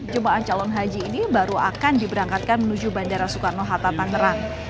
jemaah calon haji ini baru akan diberangkatkan menuju bandara soekarno hatta tangerang